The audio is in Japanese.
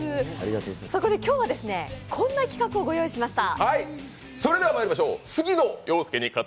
そこで今日は、こんな企画をご用意しました。